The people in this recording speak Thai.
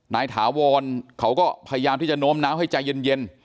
ถาวรเขาก็พยายามที่จะโน้มน้าวให้ใจเย็น